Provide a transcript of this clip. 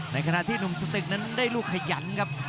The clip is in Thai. ในขณะที่หนุ่มสตึกนั้นได้ลูกขยันครับ